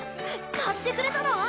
買ってくれたの？